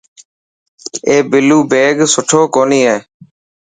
اي بلو بيگ سٺو ڪوني هي.